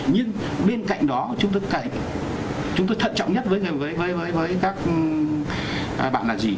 nhưng bên cạnh đó chúng tôi thận trọng nhất với các bạn là gì